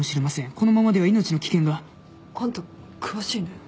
このままでは命の危険が。あんた詳しいね。